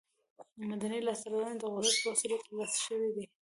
مدني لاسته راوړنې د قدرت په وسیله تر لاسه شوې دي.